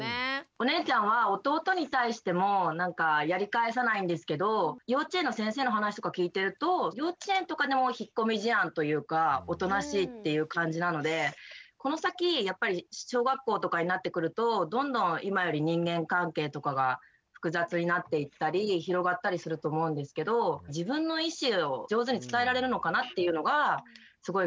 お姉ちゃんは弟に対してもなんかやり返さないんですけど幼稚園の先生の話とか聞いてると幼稚園とかでも引っ込み思案というかおとなしいっていう感じなのでこの先やっぱり小学校とかになってくるとどんどん今より人間関係とかが複雑になっていったり広がったりすると思うんですけど自分の意思を上手に伝えられるのかなっていうのがすごい不安なので。